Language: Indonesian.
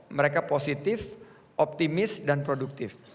mereka positif optimis dan produktif